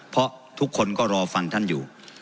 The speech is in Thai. เพราะทุกคนก็รอฟังท่านอยู่